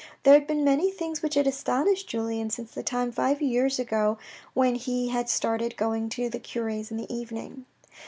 There had been many things which had astonished Julien since the time five years ago when he had started going to the cure's in the evening.